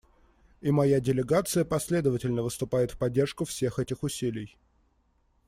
И моя делегация последовательно выступает в поддержку всех этих усилий.